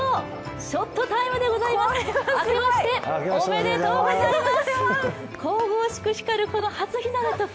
ショットタイムでございます、明けましておめでとうございます！